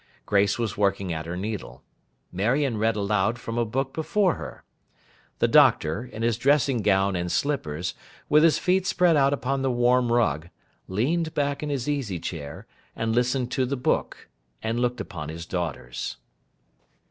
Grace was working at her needle. Marion read aloud from a book before her. The Doctor, in his dressing gown and slippers, with his feet spread out upon the warm rug, leaned back in his easy chair, and listened to the book, and looked upon his daughters.